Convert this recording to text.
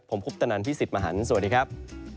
ผมคุปตนันพี่สิทธิ์มหันฯสวัสดีครับ